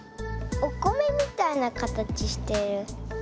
おこめみたいなかたちしてる。